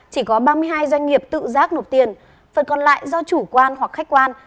chỉ có ba mươi hai doanh nghiệp tự giác nộp tiền phần còn lại do chủ quan hoặc khách quan